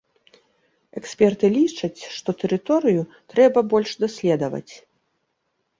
Эксперты лічаць, што тэрыторыю трэба больш даследаваць.